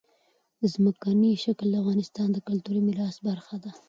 ځمکنی شکل د افغانستان د کلتوري میراث برخه ده.